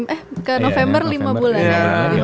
eh ke november lima bulan ya